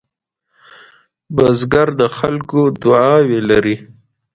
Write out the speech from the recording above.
بزګر د خلکو دعاوې لري